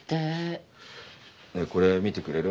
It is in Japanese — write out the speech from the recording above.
ねぇこれ見てくれる。